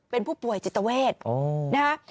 เป็นผู้ป่วยจิตเวทนะฮะ